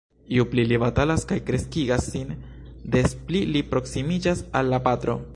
Ju pli li batalas kaj kreskigas sin, des pli li proksimiĝas al la patro.